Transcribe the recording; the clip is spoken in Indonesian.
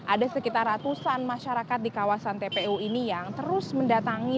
ada sekitar ratusan masyarakat di kawasan tpu ini yang terus mendatangi